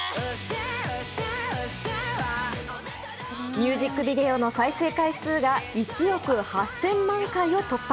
ミュージックビデオの再生回数が１億８０００万回を突破。